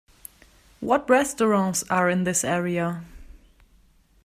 What restaurants are in this area?